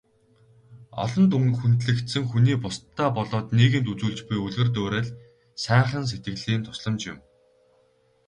Олонд хүндлэгдсэн хүний бусдадаа болоод нийгэмд үзүүлж буй үлгэр дуурайл, сайхан сэтгэлийн тусламж юм.